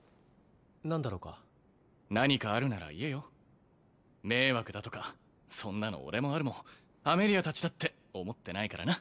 何だろうか何かあるなら言えよ迷惑だとかそんなの俺もアルもアメリア達だって思ってないからな